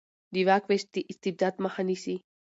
د واک وېش د استبداد مخه نیسي